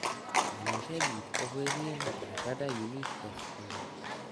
Může být ovlivněna i řada jiných testů.